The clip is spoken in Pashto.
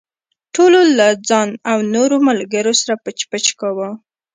ټولو له ځان او نورو ملګرو سره پچ پچ کاوه.